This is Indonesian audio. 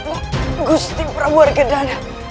agusti prabu datang